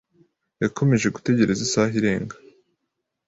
Yakomeje gutegereza isaha irenga.